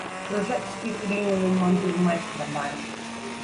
Projetos que criam ou mantêm mais trabalhos.